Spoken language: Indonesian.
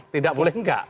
tidak boleh enggak